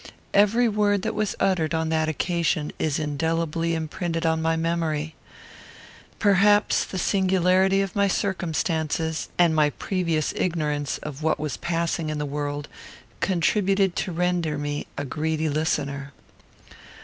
Every word that was uttered on that occasion is indelibly imprinted on my memory. Perhaps the singularity of my circumstances, and my previous ignorance of what was passing in the world, contributed to render me a greedy listener.